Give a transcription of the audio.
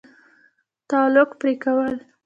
تعلق پرې كول